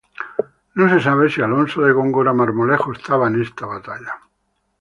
No se sabe si Alonso de Góngora Marmolejo estaba en esta batalla.